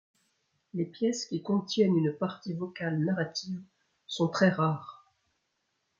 Les pièces qui contiennent une partie vocale narrative sont très rares.